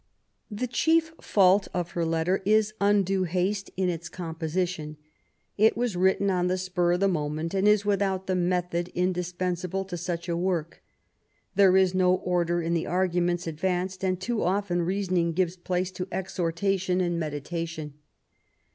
The chief fault of her Letter is undue haste in its composition. It was written on the spur of the moment, and is without the method indispensable to such a work. There is no order in the arguments, advanced, and too often reasoning gives place to ex hortation and meditation.